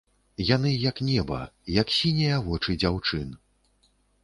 Яны, як неба, як сінія вочы дзяўчын.